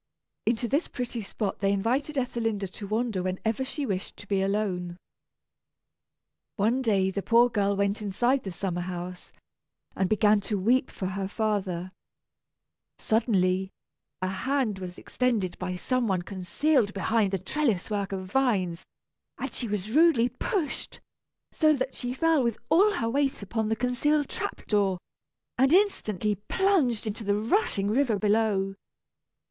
Into this pretty spot they invited Ethelinda to wander when ever she wished to be alone. One day the poor girl went inside the summer house, and began to weep for her father. Suddenly, a hand was extended by some one concealed behind the trellis work of vines, and she was rudely pushed, so that she fell with all her weight upon the concealed trap door, and instantly plunged into the rushing river below.